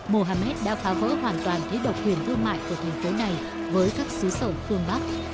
mohamed đã phá vỡ hoàn toàn thế độc quyền thương mại của thành phố này với các xứ sở phương bắc